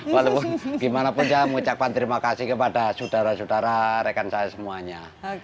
walaupun gimana pun saya mengucapkan terima kasih kepada saudara saudara rekan saya semuanya